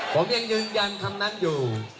ผมยังยืนยันคำนั้นอยู่